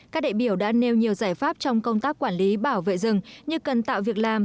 các đại biểu đã nêu nhiều giải pháp trong công tác quản lý bảo vệ rừng như cần tạo việc làm